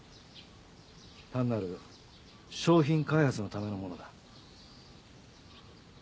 単なる商品開発のためのものだ。